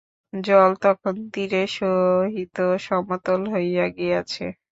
জল তখন তীরের সহিত সমতল হইয়া গিয়াছে।